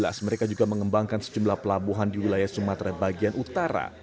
pembangunan tersebut juga mengembangkan pelabuhan di wilayah sumatera bagian utara